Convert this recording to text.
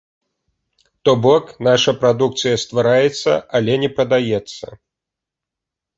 То бок, наша прадукцыя ствараецца, але не прадаецца.